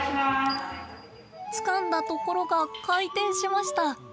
つかんだところが回転しました。